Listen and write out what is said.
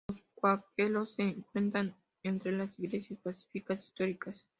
Los cuáqueros se cuentan entre las iglesias pacíficas históricas.